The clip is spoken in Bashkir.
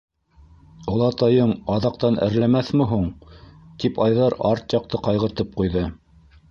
- Олатайың аҙаҡтан әрләмәҫме һуң? - тип Айҙар арт яҡты ҡайғыртып ҡуйҙы.